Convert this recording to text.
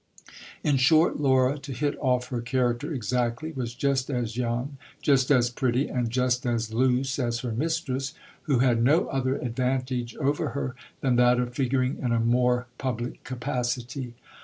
In short Laura, to hit off her character exactly, was just as young, just as pretty, and just as loose as her mistress, who had no other advantage over her than that of figuring in a more public capacity.